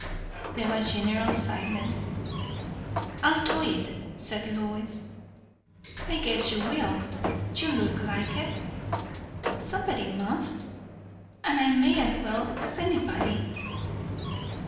There was general silence. "I'll do it," said Lois. "I guess you will! You look like it." "Somebody must; and I may as well as anybody."